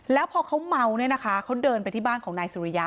แล้วพอเขาเมาเนี่ยนะคะเขาเดินไปที่บ้านของนายสุริยะ